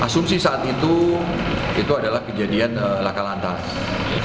asumsi saat itu adalah kejadian laka lantai